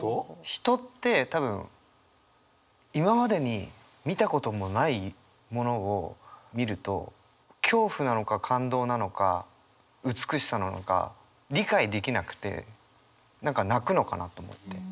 人って多分今までに見たこともないものを見ると恐怖なのか感動なのか美しさなのか理解できなくて何か泣くのかなと思って。